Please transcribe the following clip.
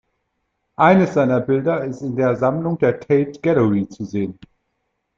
Eines seiner Bilder ist in der Sammlung der Tate Gallery zu sehen.